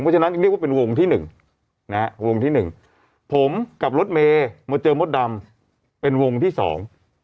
เพราะฉะนั้นเรียกว่าเป็นวงที่หนึ่งนะฮะวงที่หนึ่งผมกับรถเมย์มาเจอมดดำเป็นวงที่สอง